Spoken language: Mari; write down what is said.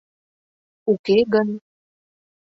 Уке гын...